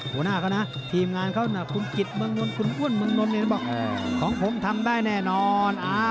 หัวหน้าเขานะทีมงานเขานะคุณกิจเมืองนนท์คุณอ้วนเมืองนนท์บอกของผมทำได้แน่นอน